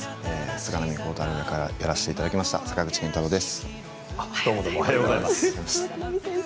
菅波光太朗役をやらせていただきました坂口健太郎です。